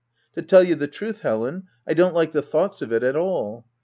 To tell you the truth, Helen, I don't like the thoughts of it at all.